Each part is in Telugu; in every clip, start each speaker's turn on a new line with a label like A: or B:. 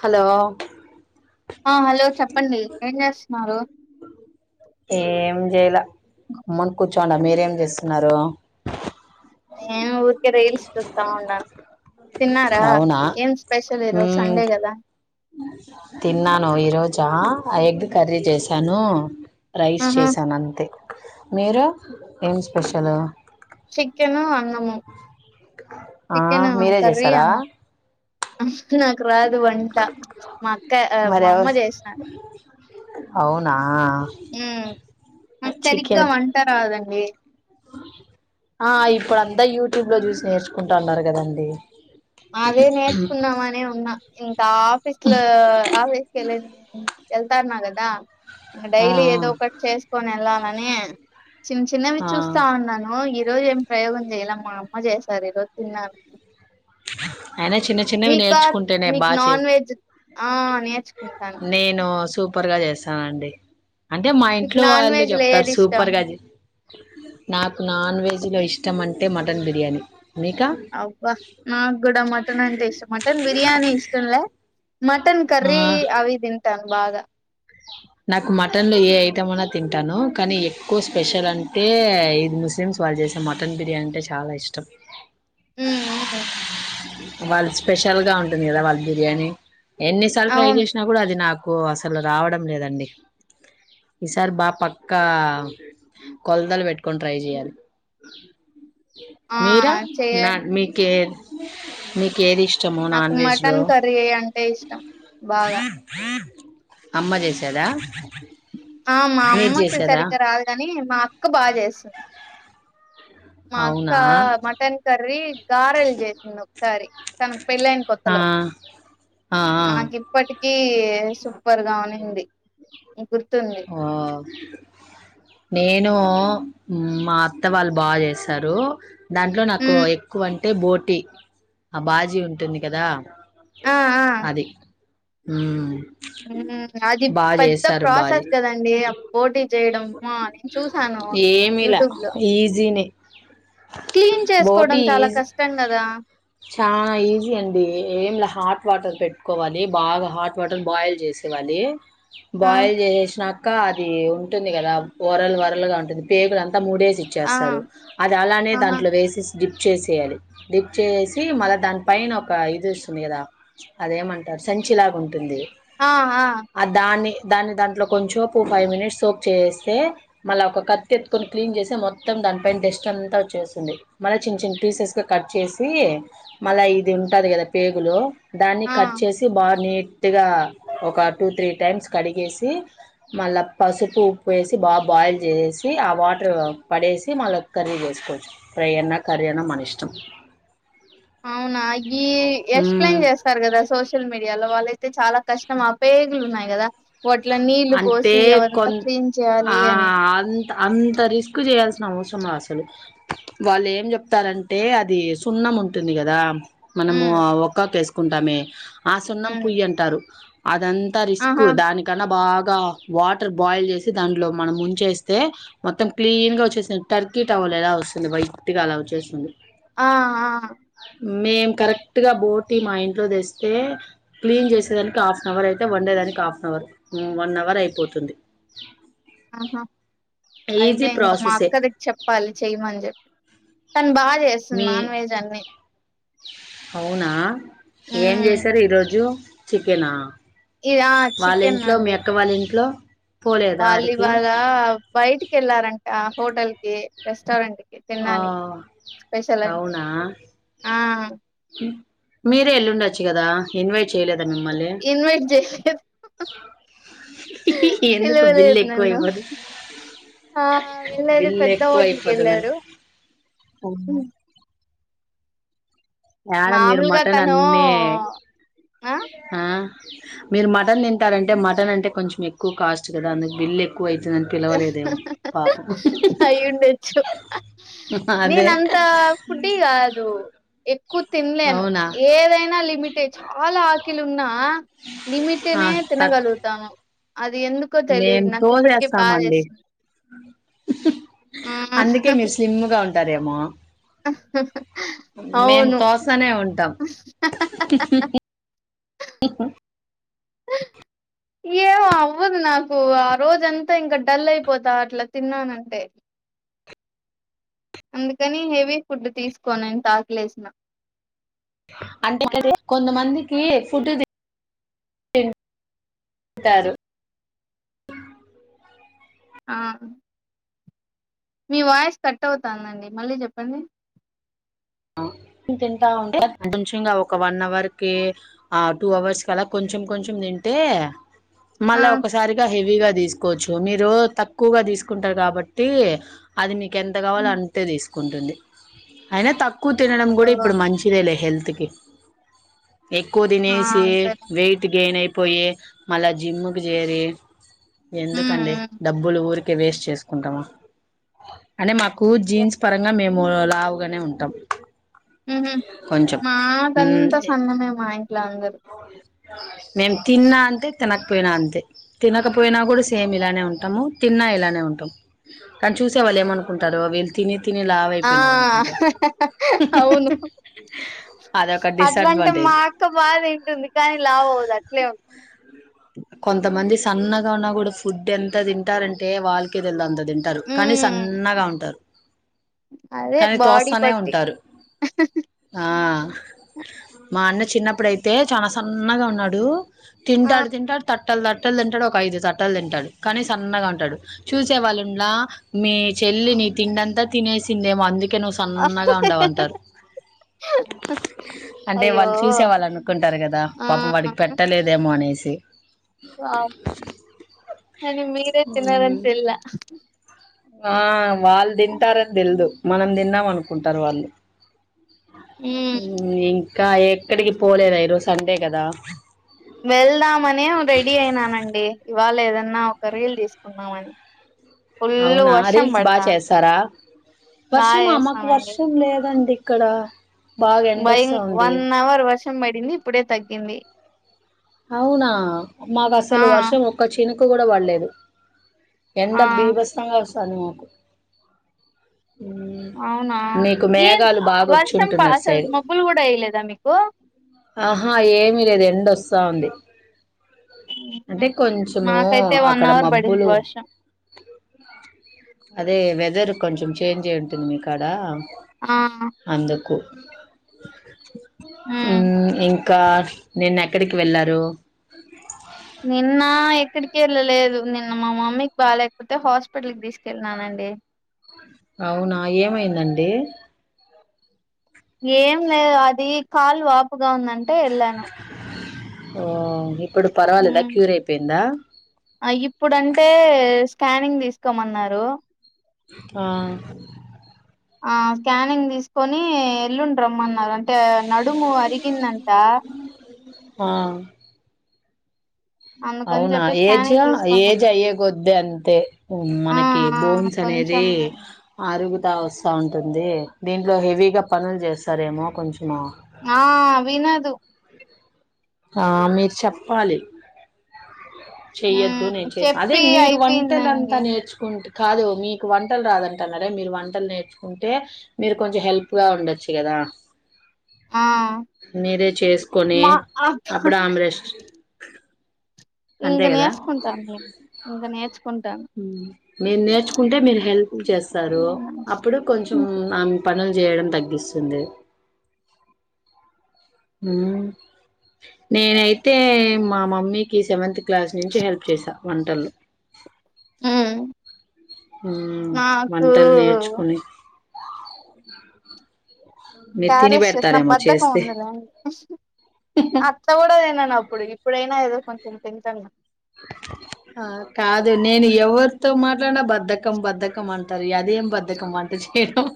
A: హలో
B: ఆ హలో చెప్పండి ఏం చేస్తున్నారు
A: ఏం చేయలా గమ్మున కూర్చోండా మీరేం చేస్తున్నారు
B: నేను ఊ రీల్స్ చూస్తా ఉండాను
A: అవునా
B: ఈరోజు
A: హ్మ్
B: సండే కదా
A: తిన్నాను ఈ రో చా ఆ ఎగ్ కర్రీ చేసాను రైస్
B: ఆహా
A: చేశాను అంతే మీరు ఏం స్పెషలు
B: చికెను అన్నము
A: ఆ
B: చికెన్
A: మీరే చేసారా
B: అ నాకు రాదు వంట మా అక్క మా
A: మరెవ
B: అమ్మ చేసినారు
A: అవునా
B: హ్మ్ నాకు సరిగ్గా
A: చికెన్
B: వంట రాదండి
A: ఆ ఇప్పుడు అంతా యూట్యూబ్ లో చూసి నేర్చుకుంటాండారు కదండి
B: అదే నేర్చుకుందామనే ఉన్నా ఇంకా ఆఫీస్ లో ఆఫీస్ [unintelligible] వెళ్తాన్నా కదా ఇంక
A: ఆ
B: డైలీ ఏదో ఒకటి చేసుకొని ఎల్లా అనె చిన్న చిన్నవి
A: ఆ
B: చూస్తా ఉన్నాను ఈ రోజు ఏం ప్రయోగం చేయ్యల మా అమ్మ చేశారు ఈ రోజు తిన్నా
A: అయినా చిన్న చిన్నవి నేర్చుకుంటేనే
B: మీకు
A: బా చే
B: నాన్ వెజ్ ఆ నేర్చుకుంటాను
A: నేను సూపర్గా చేస్తానండి అంటే మా
B: మీకు
A: ఇంట్లో
B: నాన్
A: వాళ్ళు
B: వెజ్ లో
A: చెప్తారు
B: ఏది ఇష్టం
A: సూపర్ గా నాకు నాన్ వెజ్ లో ఇష్టం అంటే మటన్ బిర్యానీ మీకా
B: అవ్వ నాకు కూడా మటన్ అంటే ఇష్టం. మటన్ బిర్యానీ ఇష్టంలే మటన్
A: ఆ
B: కర్రీ అవి తింటాను. బాగా
A: నాకు మటన్ లో ఏ ఐటమ్ ఉన్న తింటాను. కానీ ఎక్కువ స్పెషల్ అంటే ఇది ముస్లిమ్స్ వాళ్ళు చేసే మటన్ బిర్యానీ అంటే చాలా ఇష్టం.
B: [unintelligible]
A: వాళ్ళు స్పెషల్ గా ఉంటుంది. కదా వాళ్ళ బిర్యానీ ఎన్నిసార్లు ట్రై
B: అవును
A: చేసినా కూడా అది నాకు ఓ అసలు రావడం లేదండి. ఈసారి బాగా పక్కా కొలతలు పెట్టుకొని ట్రై చేయాలి.
B: ఆ
A: మీరా
B: చెయ
A: నాక్ మీకేర్ మీకు ఏది ఇష్
B: నాకు మటన్ కర్రీ ఏ అంటే ఇష్టం. బాగా
A: అమ్మ చేసిం కదా
B: ఆ మా అమ్మకి సరిగ్గా రాదు. కాని మా అ అక్క బాగా చేస్తది. మా అక్క
A: అవునా
B: మటన్ కర్రీ గారెలు చేసింది. ఒకసారి తనకు పెళ్ళయిన
A: ఆ,
B: కొత్తలో
A: ఆ, ఆ.
B: నాకు ఇప్పటికి కీ సూపర్ గా [inaudible]
A: ఓ నేన్ నో మా అత్త వాళ్ళు బాగా చేశారు. దాంట్లో నాకు
B: మ్
A: ఎక్కువ అంటే బోటి ఆ బాజీ ఉంటుంది కదా!
B: ఆ ఆ
A: అది హ్మ్
B: [unintelligible] అది పెద్ద
A: బాజీ
B: ప్రాసెస్ కదండీ. అండి పోటీ చేయడం ఉప్మా చూసాను. యూట్యూబ్ లో
A: ఇని
B: క్లీన్ చేసుకోవడం చాలా కష్టం. కదా
A: చాలా ఈజీ అండి. ఏం లే హాట్ వాటర్ పెట్టుకోవాలి. బాగా హాట్ వాటర్ బాయిల్ చేసి ఇవ్వాలి.
B: ఆ
A: బాయిల్ చేశేన్నాక అక్క అది ఉంటుంది. కదా కోరాలు వరల్ గా ఉంటుంది. పేగులు అంత మూడు డేసి
B: ఆ
A: ఇచ్చేస్తారు. అది అలానే
B: ఆహా
A: దాంట్లో వేసేసి డిప్ చేసేయాలి. డిప్ చేసి దాని పైన ఒక ఇది వస్తుంది. కదా అదేమంటారు సంచిలాగా ఉంటుంది.
B: ఆ హా
A: ఆ దాన్ని దాన్ని దాంట్లో కొంచెం పూ ఫైవ్ మినిట్స్ సోక్ చేసేస్తే మళ్ళీ ఒక కత్తి ఎత్తుకొని క్లీన్ చేసి మొత్తం దానిపైన డస్ట్ అంతా వచ్చేస్తుంది మళ్ళీ చిన్న చిన్న పీసెస్ గా కట్ చేసి మళ్ళ ఇది ఉంటాది కదా పేగులు దాన్ని
B: ఆ
A: కట్ చేసి బా నీట్ కొద్దిగా ఒక టూ త్రీ టైమ్స్ కడిగేసి మళ్ళా పసుపు ఉప్పు వేసి బా బాయిల్ చేసేసి ఆ వాటర్ పడేసి మళ్ళ కర్రీ చేసుకోచ్చు ఫ్రై అన్నా కర్రీ అన్నా మన ఇష్టం
B: అవునా ఈ
A: మ్మ్
B: ఎక్షప్లేయిన్ చేస్తారు కదా సోషల్ మీడియాలో వాళ్ళయితే చాలా కష్టం ఆ పేగులు ఉన్నాయి కదా వాట్ల నీళ్లు
A: అంటే
B: పోసి ఎవరైనా
A: కొన్
B: క్లీన్ చేయాలి
A: ఆ
B: అని
A: అంత అంత రిస్క్ చేయాల్సిన అవసరమా అసలు వాళ్ళు ఏం చెప్తారంటే అది సున్నం ఉంటుంది కదా మనము
B: హ్మ్
A: వాక్కాకు ఏస్ కుంటామే ఆ సన్నం
B: హ్మ్
A: పుయ్యి అంటారు అంతా రిస్క్
B: ఆహా
A: దానికన్నా బాగా వాటర్ బాయిల్ చేసి దాంట్లో మనం ముంచేస్తే మొత్తం క్లీన్ గా వచ్చేస్తుంది టర్కీ టవల్ ఎలా వస్తుంది వైట్ గా అలా వచ్చేస్తుంది
B: ఆ ఆ
A: మేము కరెక్ట్ గా బోటి మా ఇంట్లో తెస్తే క్లీన్ చేసేదానికి హాఫ్ అన్ అవర్ వండేదానికి half an hour one hour అయిపోతుంది
B: ఆహా అయితే
A: ఈజీ
B: ఇంకా మా
A: ప్రాసెసే
B: అక్కది చెప్పాలి చెయ్యమని చెప్పి తను బాచేస్తుంది
A: మీ
B: నాన్ వెజ్ అన్ని
A: అవునా ఏం
B: హ్మ్
A: చేసారు ఈ రోజు చికెనా
B: ఇది ఆ
A: వాళ్ళ ఇంట్లో మీ అక్క వాళ్ళింట్లో
B: వాళ్ళీ ఇవాళ బయటికి వెళ్ళారం ఆ హోటల్ కి రెస్
A: ఆ
B: అని
A: అవునా
B: ఆ
A: మీరే ఎల్లుండొచ్చు కదా ఇన్వైట్ చే
B: ఇన్వైట్ చేయలేదు
A: ఎందుకు బిల్
B: పిలవలేదు
A: ఎక్కువ
B: నన్ను
A: అయిపోదు
B: ఆ వెళ్ళెది పెద్ద హోటల్కి యెళ్ళారు
A: అవునా యాడ మీరు
B: మామూలుగా
A: మటన్
B: తను
A: అన్నీ ఆ మీరు మటన్ తింటారంటే మటన్ అంటే కొంచెం ఎక్కువ కాస్ట్ కదా అందుకు బిల్
B: అయి ఉండొచ్చు నేను
A: అదే
B: అంతా ఫుడ్డీ కాదు. ఎక్కువ తినలేను
A: అవునా
B: ఏదైనా లిమిటే చాలా ఆకిలున్నా
A: ఆ
B: లిమిట్నే
A: తక్
B: తినగలుగుతాను అది ఎందుకో తెలిదు నాకు ఇప్పటికీ
A: అవునండి
B: బాధేస్తుంది ఆ
A: అందుకే మీరు స్లిమ్గా ఉంటారేమో మేము
B: అవును
A: తోస్తానే ఉంటాం
B: ఏమో అవ్వదు నాకు ఆ రోజంతా ఇంకా డల్ అయిపోతా అట్లా తిన్నానంటే అందుకని హెవీ ఫుడ్ తీసుకోను ఎంత ఆకలేసిన
A: అంటే కొంతమందికి ఫుడ్ తీ తింటారు.
B: ఆ మీ వాయిస్ కట్ అవుతుందండి మళ్ళీ చెప్పండి.
A: కొంచంగా ఒక వన్ అవర్ కి ఆ టూ అవర్స్ కలా కొంచెం కొంచెం తింటే.
B: ఆ
A: మళ్ళా ఒకసారిగా హెవీగా తీసుకోవచ్చు మీరు తక్కువ తీసుకుంటారు కాబట్టి అది నీక్ ఎంత కావాలో అంతే తీస్ కుంటుంది అయినా తక్ తినడం
B: ఓ
A: కూడా ఇప్పుడు మంచిదే లే హెల్త్ తికే ఎక్కువ
B: ఆ
A: తినేసి
B: సరే
A: వెయిట్ గెయిన్ యి పోయెస్ మళ్ళా జిమ్ కు చేరి
B: హ్మ్
A: ఎందుకండి
B: హ్మ్
A: డబ్బులు ఊరిక్ ఉరికే వేస్ట్ చేసుకుంటామా అనే మాకు జీన్స్ పరంగా మేమ్ మేం లావుగానే ఉంటాం
B: ఎంజేన్
A: కొంచెం మ్మ్
B: మాదంతా సన్నమే మా ఇంట్లో అందరు
A: మేం తిన్నా అంతే తినకపోయినా అంతే తినకపోయినా కూడా సేమ్ ఇలానే ఉంటాము. తిన్నా ఇలానే ఉంటాము. కానీ చూసే వాళ్ళు ఏమనుకుంటారు వీళ్ళు తిని తిని లావ్
B: ఆ
A: అయిపోయిన్నారనుకుంటారు
B: అవును
A: అదొక
B: అట్లాంటే మా
A: డిసడ్వాంటేజ్
B: అక్క బా తింటుంది. కానీ లావ్ అవదు అట్లే ఉంటుంది
A: కొంతమంది సన్నగా ఉన్నా కూడా ఫుడ్ ఎంత తింటారంటే వాళ్ళకే తెల్ద అంత తింటారు కానీ
B: హ్మ్
A: సన్నగా ఉంటారు
B: అదే
A: కానీ
B: బాడీ
A: తోస్తానే ఉంన్
B: బట్టి
A: ఆ మా అన్న చిన్నప్పుడైతే చానా సన్నగా ఉన్నాడు
B: ఆ
A: తింటాడు తింటాడు తట్ ట్టల్ తట్టలు తింటాడు ఒక ఐదు సట్టలు తింటాడు కానీ సన్నగా ఉంటాడు. చూసే వాళ్ళున్నా మీ చెల్లిని తిండంతా తినేసిందేమో అందు కే నువ్ సన్నగా ఉన్ లావ్ అంటారు. అంటే
B: అయ్యో
A: వాళ్ళు చూసే వాళ్ళు అనుకుంటారు. కదా
B: ఆ
A: పాపం వాడికి పెట్టలేదేమో అనేసి ఇ
B: వావ్ మీ తినరని తెల్లా
A: ఆ వాళ్ళు తింటారని తెల్దు మనం తిన్నాం అనుకుంటారు వాళ్ళు
B: మ్మ్
A: హ్మ్ ఇంకా ఎక్కడికి పోలేరా ఈ రోజు సండే కదా
B: వెళ్దామనే రెడీ అయినానండి ఇవాళ ఏదన్నా ఒక రీల్ తీసుకుందామని ఫుల్
A: అవునా
B: వర్షం
A: రీల్స్ బా
B: పడతాంది
A: చేస్తారా వర్షం
B: బాగా
A: మా మాకు
B: చేస్తానండి
A: వర్షం లేదండి ఇక్కడ బాగా
B: భయం
A: ఎండొస్తుంది
B: వన్ అవర్ వర్షం పడింది ఇప్పుడే తగ్గింది
A: అవునా మాకు
B: ఆ
A: అసలు వర్షం ఒక్క చిన్ కు కూడా పడలేదు ఎండ
B: ఆ
A: బీభస్తంగా స్తంది మాకు
B: అవునా
A: మీకు
B: ఏం
A: మేఘాలు బాగా
B: వర్షం ప
A: వచ్చుంటుంది అటు
B: అసలు
A: సైడు
B: మబ్బులు కూడా వేయలేదా మీకు
A: ఆహా ఏమి లేదు ఎండో స్తాంది
B: మాకైతే వన్
A: అక్కడ
B: అవర్ పడింది
A: మబ్బులు
B: వర్షం
A: అదే వెదర్ కొంచెం చేంజ్ అయి ఉంటుంది మి కాడ
B: ఆ
A: అందుకు [inaudible]
B: మ్మ్
A: హ్మ్ ఇ కార్ నేనె క్కడికి వెళ్ళారు
B: నిన్నా ఎక్కడికి ఎళ్ళలేదు నిన్న మా మమ్మీకి బాలేేకపోతే హాస్పిటల్కి తీసుకెళ్ళినానండి
A: అవునా ఏమైందండి
B: ఏం లేదు అది కాలు వాపుగా ఉందం టే ఎల్లాను
A: ఓ ఇప్
B: హ్మ్ ఇప్పుడంటే కానింగ్ తీసుకోమన్నారు
A: ఆ
B: ఆ స్కానింగ్ తిసుకొని ఎల్లుండ్ రమ్మన్నారు అంటే నడుము అరిగిందంట
A: ఆ
B: అందుకని
A: అవునా
B: చెప్పి
A: ఏజ్
B: స్కానింగ్ తీసుకున్నాం
A: ఏజ్ అయ్యే కొద్ది అంతే
B: ఆ
A: మనకి
B: ఆ
A: బోన్స్ అనేది
B: కొంచెం
A: అరుగుతా వస్తా ది దీంట్లో హెవీగా పనులు చేస్తారేమో కొంచము
B: ఆ వినదు
A: ఆ మీరు చెప్పాలి చెయ్యొద్దు
B: హ్మ్
A: నేను చేసా అదే
B: చెప్పి
A: మీరు వంటలంతా
B: అయిపోయిందండి
A: నేర్చుకుంటు కాదు మీకు వంటలు రాదంటన్నారే మీరు వంటలు నేర్చుకుంటే మీరు కొంచెం హెల్ప్ గా ఉండొచ్చు కదా
B: ఆ
A: మీరే చేసుకొని
B: మా అ
A: అప్పుడు ఆం రెస్ట్ గారిదా
B: ఇంగా నేర్చుకుంటాన్లే ఇంగా నేర్చుకుంటాను.
A: నేను నేర్చుకుంటే మీరు హెల్ప్ చేస్తారు అప్పుడు కొంచెం ఆమె పనులు జేయడం తగ్గిస్తుంది హ్మ్ నేనైతే మా మమ్మీకి సెవెంత్ క్లాస్ నుంచి హెల్ప్ చేసా వంటల్లో
B: హ్మ్
A: హ్మ్
B: నాకు
A: వంటలు నేర్చుకుని హో
B: కార్లెస్ చేసిన బద్దకం ఉందిలేండి అత్త కూడా అ తినను అప్పుడు ఇప్పుడైనా ఏదో కొంచం తింటన్న
A: ఆ కాదు నేను ఎవరితో మాట్లాడినా బద్దకం బద్దకం అంటారు అదేం బద్దకం వంట చేయడం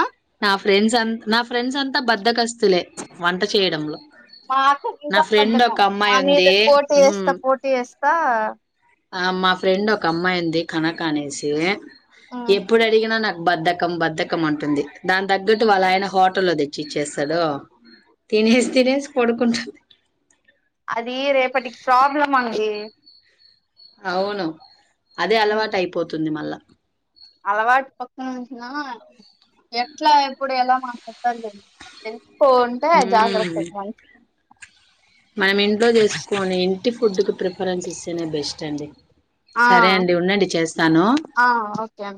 B: ఆ
A: నా ఫ్రెండ్స్ అ నా ఫ్రెండ్స్ అంత బద్దకస్ స్తులే వంట చేయడంలో
B: మా అక్క
A: నా
B: ఇంకా
A: ఫ్రెండ్
B: బద్దకం
A: ఒక
B: మా
A: అమ్మాయి
B: మీద
A: ఉంది
B: పోటీ
A: హ్మ్
B: చేస్తా పోటీ చేస్తా
A: ఆ మా ఫ్రెండ్ ఒక అమ్మాయి ఉంది కనక అనేసి
B: ఉమ్
A: ఎప్పుడు అడిగిన నాక్ బద్దకం బద్దకం అంటుంది దాని తగ్గట్టు వాళ్ళ ఆయన హోటల్లో తెచ్చిచ్చేస్తడు తినేసి తినేసి పడుకుంటు
B: అది రేప్ ఇప్పటికి ప్రాబ్లం అండి
A: అవును అదే అలవాట
B: ఉమ్
A: అయిపోతుంది మళ్ళా
B: అలవాటు పక్కనుంచిన ఎట్లా ఎప్పుడు ఎలా మాట్లాడతాదో తెలియదు పోంటే జాగ్రత్త
A: ఉమ్
B: మం
A: మనం ఇంట్లో చేసుకోని ఇంటి ఫుడ్ కి ప్రిఫరెన్స్ ఇస్తేనే బెస్ట్ అండి
B: ఆ
A: సరే అండి వున్నండి చేస్తాను
B: ఆ ఓకే అండి